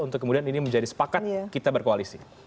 untuk kemudian ini menjadi sepakat kita berkoalisi